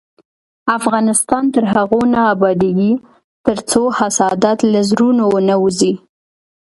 افغانستان تر هغو نه ابادیږي، ترڅو حسادت له زړونو ونه وځي.